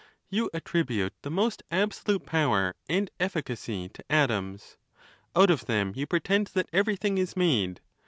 You attribute the most absolute power and eflScacy to atoms. Out of them you pretend that everything is made.